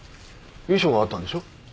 遺書があったんでしょ？